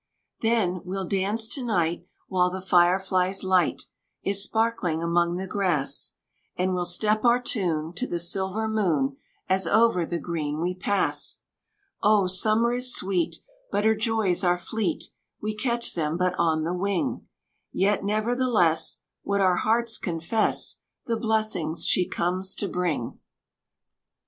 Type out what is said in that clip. Then, we'll dance to night While the fire fly's light Is sparkling among the grass; And we'll step our tune To the silver moon, As over the green we pass. O, Summer is sweet! But her joys are fleet; We catch them but on the wing: Yet never the less Would our hearts confess The blessings she comes to bring.